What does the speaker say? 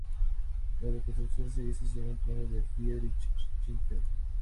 La reconstrucción se hizo según planes de Friedrich Schinkel.